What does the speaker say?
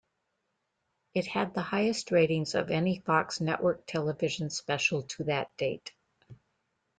It had the highest ratings of any Fox network television special to that date.